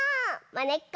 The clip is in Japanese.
まねっこ。